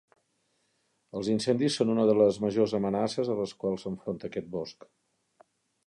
Els incendis són una de les majors amenaces a les quals s'enfronta aquest bosc.